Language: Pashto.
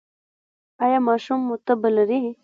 ایا ماشوم مو تبه لري؟